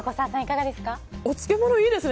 お漬物、いいですね。